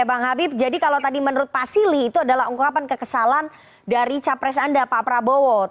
bang habib jadi kalau tadi menurut pak sili itu adalah ungkapan kekesalan dari capres anda pak prabowo